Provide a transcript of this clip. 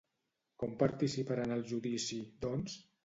Com participarà en el judici, doncs?